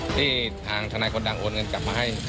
ที่ทางทนายคนดังโอนเงินกลับมาให้